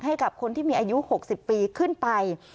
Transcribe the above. ให้กับคนที่มีอายุ๖๐ปีขึ้นไป